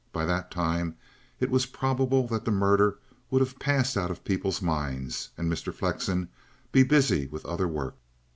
By that time it was probable that the murder would have passed out of people's minds and Mr. Flexen be busy with other work.